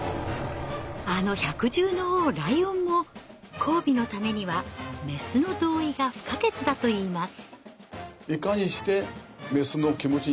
あの百獣の王ライオンも交尾のためにはメスの同意が不可欠だといいます。